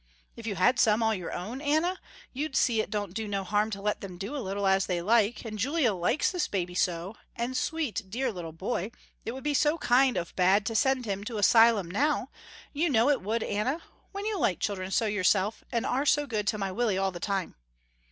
If you had some, all your own, Anna, you'd see it don't do no harm to let them do a little as they like, and Julia likes this baby so, and sweet dear little boy, it would be so kind of bad to send him to a 'sylum now, you know it would Anna, when you like children so yourself, and are so good to my Willie all the time.